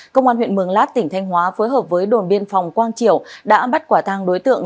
công an huyện mường lát tỉnh thanh hóa phối hợp với đồn biên phòng quang triều đã bắt quả thang đối tượng